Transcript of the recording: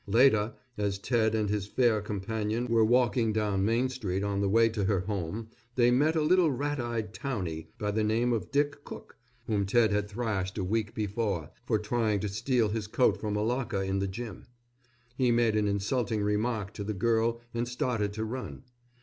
Later, as Ted and his fair companion were walking down Main Street on the way to her home, they met a little rat eyed "townie" by the name of Dick Cooke whom Ted had thrashed a week before, for trying to steal his coat from a locker in the gym. He made an insulting remark to the girl and started to run.